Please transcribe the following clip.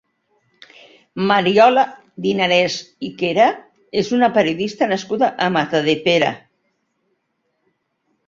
Mariola Dinarès i Quera és una periodista nascuda a Matadepera.